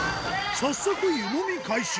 早速、湯もみ開始。